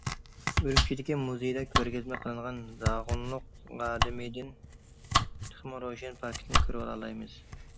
ئۈرۈمچىدىكى مۇزېيىدا كۆرگەزمە قىلىنغان« زاغۇنلۇق ئادىمى» دىن تېخىمۇ روشەن پاكىتنى كۆرۈۋالالايمىز.